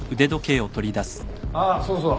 あっそうそう。